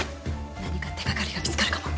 何か手掛かりが見つかるかも。